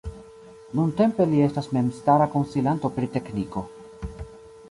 Nuntempe li estas memstara konsilanto pri tekniko.